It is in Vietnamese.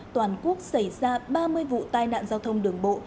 toàn quốc xảy ra ba mươi vụ tai nạn giao thông đường bộ